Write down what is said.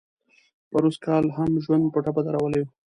پروسږ کال هم ژوند په ټپه درولی و.